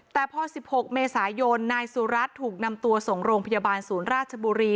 แต่พอ๑๖เมษายนนายสุรัตน์ถูกนำตัวส่งโรงพยาบาลศูนย์ราชบุรี